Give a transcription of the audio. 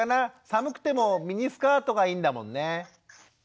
寒くてもミニスカートがいいんだもんね。